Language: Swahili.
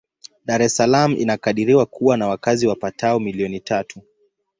Dar es Salaam inakadiriwa kuwa na wakazi wapatao milioni tatu.